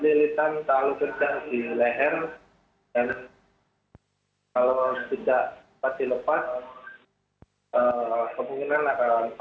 dan lihat anda sudah langsung